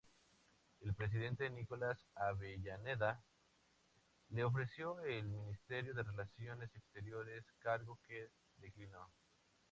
El presidente Nicolás Avellaneda le ofreció el Ministerio de Relaciones Exteriores, cargo que declinó.